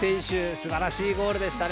素晴らしいゴールでしたね。